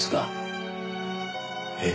えっ？